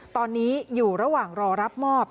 ตอนนี้อยู่ระหว่างรอรับมอบ